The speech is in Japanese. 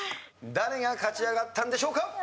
誰が勝ち上がったんでしょうか？